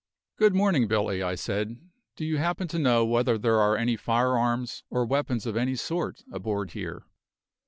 "Good morning, Billy," I said. "Do you happen to know whether there are any firearms, or weapons of any sort, aboard here?"